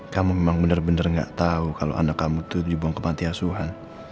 kamu memang benar benar gak tahu kalau anak kamu itu dibuang kemati asuhan